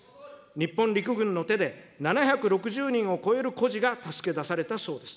日本陸軍の手で、７６０人を超える孤児が助け出されたそうです。